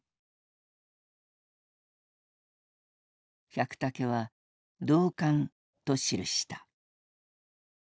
百武は「同感」と記した。